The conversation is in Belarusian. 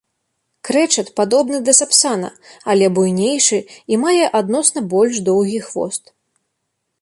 Крэчат падобны да сапсана, але буйнейшы і мае адносна больш доўгі хвост.